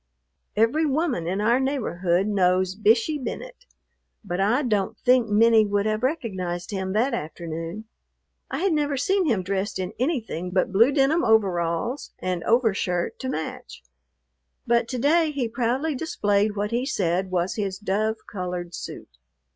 Every woman in our neighborhood knows Bishey Bennet, but I don't think many would have recognized him that afternoon. I had never seen him dressed in anything but blue denim overalls and overshirt to match, but to day he proudly displayed what he said was his dove colored suit.